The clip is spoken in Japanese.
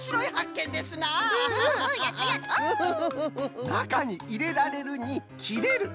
「なかにいれられる」に「きれる」！